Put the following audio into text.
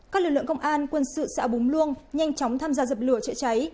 các lực lượng công an quân sự xã búng luông nhanh chóng tham gia dập lửa chữa cháy